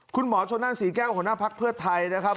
คุณหมอชนนั่นศรีแก้วหัวหน้าภักดิ์เพื่อไทยนะครับ